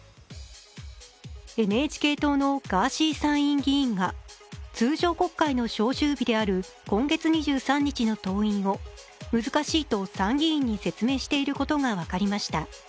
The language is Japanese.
ＮＨＫ党のガーシー参議院議員が通常国会の召集日である今月２３日の登院は難しいと参議院に説明していることが分かりました。